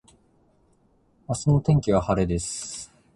明日の天気は晴れです